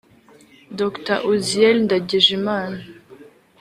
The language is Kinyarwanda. Dr Uzziel Ndagijimana